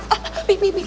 ah ah pih pih pih